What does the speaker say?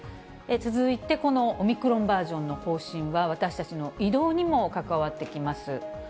続いて、このオミクロンバージョンの方針は私たちの移動にも関わってきます。